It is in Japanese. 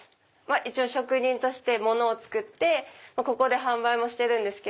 一応職人として物を作ってここで販売もしてるんですけど。